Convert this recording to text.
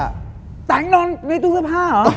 แต่งนอนในตู้เสื้อผ้าเหรอ